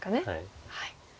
はい。